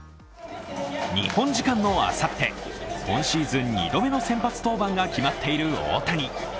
日本時間のあさって、今シーズン２度目の先発登板が決まっている大谷。